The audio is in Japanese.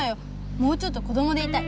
もうちょっと子どもでいたい。